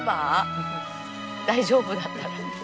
大丈夫だったら。